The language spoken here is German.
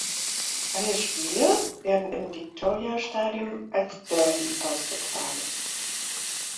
Alle Spiele werden im Victoria Stadium als Derby ausgetragen.